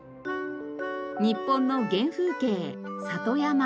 日本の原風景里山。